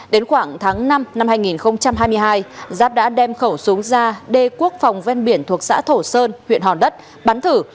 đến khoảng tháng năm năm hai nghìn hai mươi hai giáp đã đem khẩu súng ra đê quốc phòng ven biển thuộc xã thổ sơn huyện hòn đất bắn thử